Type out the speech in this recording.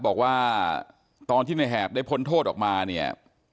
บอกว่าตอนที่ในแหบได้พ้นโทษออกมาเนี่ย